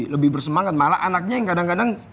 lebih bersemangat malah anaknya yang kadang kadang